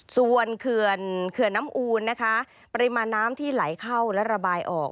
ส่วนเขื่อนน้ำอูนนะคะปริมาณน้ำที่ไหลเข้าและระบายออก